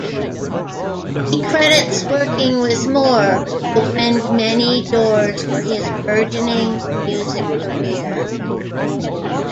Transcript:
He credits working with Moore opened many doors for his burgeoning music career.